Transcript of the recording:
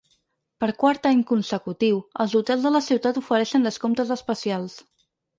Per quart any consecutiu, els hotels de la ciutat ofereixen descomptes especials.